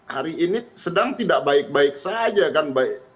hari ini sedang tidak baik baik saja kan